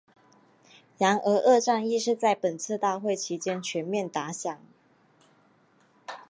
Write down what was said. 然而二战亦是在本次大会期间全面打响。